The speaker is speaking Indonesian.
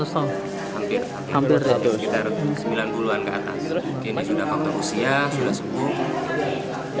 ini sudah kontrol usia sudah sebuah